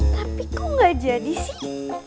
tapi kok gak jadi sih